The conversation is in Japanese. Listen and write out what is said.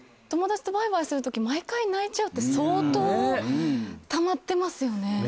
友達とバイバイする時毎回泣いちゃうって相当たまってますよね。